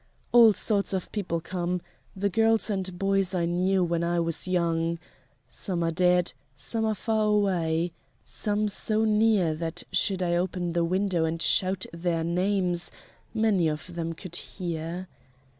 All sorts of people come the girls and boys I knew when I was young. Some are dead; some are far away; some so near that should I open the window and shout their names many of them could hear.